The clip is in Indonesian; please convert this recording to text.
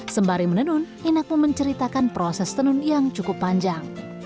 sembari menenun inakmu menceritakan proses tenun yang cukup panjang